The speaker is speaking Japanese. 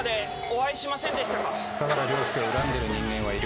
相良凌介を恨んでる人間はいる？